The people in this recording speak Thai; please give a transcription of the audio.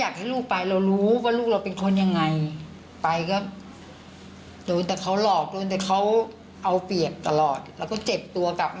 ครับ